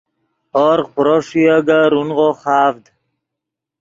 ہورغ پرو ݰوئے اےگے رونغو خاڤد